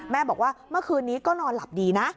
บอกว่าเมื่อคืนนี้ก็นอนหลับดีนะ